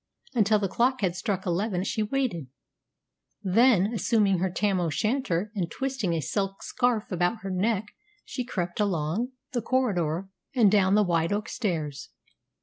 Until the clock had struck eleven she waited. Then, assuming her tam o' shanter and twisting a silk scarf about her neck, she crept along the corridor and down the wide oak stairs.